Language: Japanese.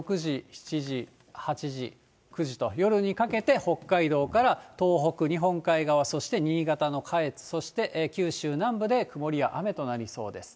６時、７時、８時、９時と、夜にかけて、北海道から東北、日本海側、そして新潟の下越、そして九州南部で曇りや雨となりそうです。